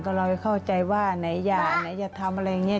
ก็เราจะเข้าใจว่าไหนอย่าไหนจะทำอะไรอย่างนี้